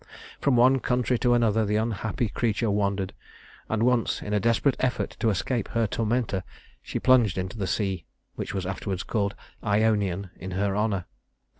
From one country to another the unhappy creature wandered; and once, in a desperate effort to escape her tormentor, she plunged into the sea, which was afterwards called Ionian in her honor.